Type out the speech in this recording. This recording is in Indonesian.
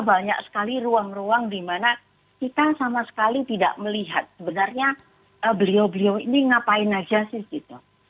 banyak sekali ruang ruang di mana kita sama sekali tidak melihat sebenarnya beliau beliau ini ngapain aja sih gitu